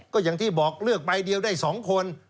ก็อย่างที่บอกเลือกใบเดียวได้๒คน